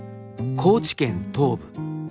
高知県東部。